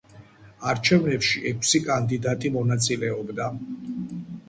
არჩვენებში ექვსი კანდიდატი მონაწილეობდა.